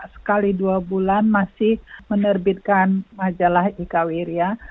sekali dua bulan masih menerbitkan majalah ika wirja